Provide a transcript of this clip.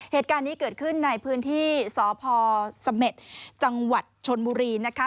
เหตุการณ์นี้เกิดขึ้นในพื้นที่สพเสม็จจังหวัดชนบุรีนะคะ